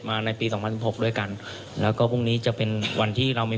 มาในปี๒๐๑๐โดยกันแล้วก็พรุ่งนี้จะเป็นวันที่เรามี